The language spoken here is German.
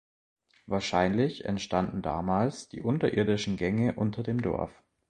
Wahrscheinlich entstanden damals die unterirdischen Gänge unter dem Dorf.